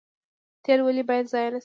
تیل ولې باید ضایع نشي؟